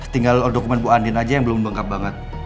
tinggal dokumen bu andin aja yang belum lengkap banget